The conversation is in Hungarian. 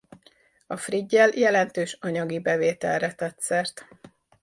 A friggyel jelentős anyagi bevételre tett szert.